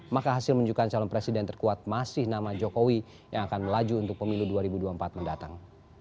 maka hasil menunjukkan calon presiden terkuat masih nama jokowi yang akan melaju untuk pemilu dua ribu dua puluh empat mendatang